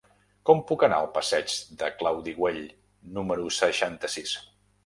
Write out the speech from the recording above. Com puc anar al passeig de Claudi Güell número seixanta-sis?